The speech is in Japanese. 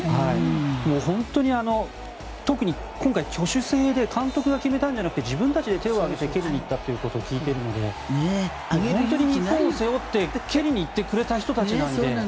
本当に特に、今回、挙手制で監督が決めたんじゃなくて自分たちで手を挙げて蹴りに行ったということで本当に日本を背負って蹴りに行ってくれた人たちなので。